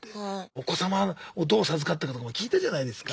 お子様をどう授かったかとかも聞いたじゃないですか。